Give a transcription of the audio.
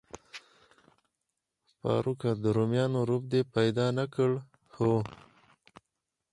فاروق، د روميانو رب دې پیدا نه کړ؟ هو.